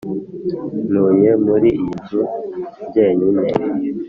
ntuye muri iyi nzu jyenyine.